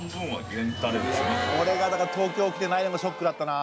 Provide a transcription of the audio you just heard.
これがだから東京来てないのがショックだったな。